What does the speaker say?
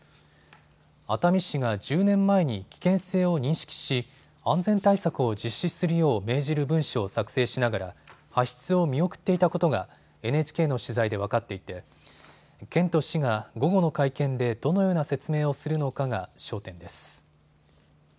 熱海市が１０年前に危険性を認識し安全対策を実施するよう命じる文書を作成しながら発出を見送っていたことがＮＨＫの取材で分かっていて県と市が午後の会見でどのような説明をするのかが焦点です。